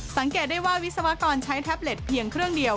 สังเกตได้ว่าวิศวกรใช้แท็บเล็ตเพียงเครื่องเดียว